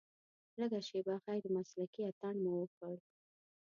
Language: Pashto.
لږه شېبه غیر مسلکي اتڼ مو وکړ.